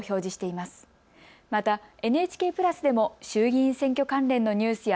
また、ＮＨＫプラスでも衆議院選挙関連のニュースや